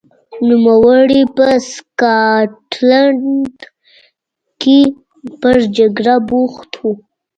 نوموړی په سکاټلند کې پر جګړه بوخت و.